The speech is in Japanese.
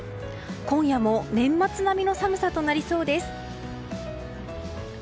今夜も年末並みの寒さとなりそうです。